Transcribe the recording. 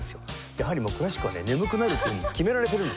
やはりもうクラシックはね眠くなるっていうふうに決められてるんです。